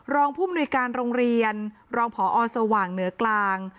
ผู้มนุยการโรงเรียนรองพอสว่างเหนือกลาง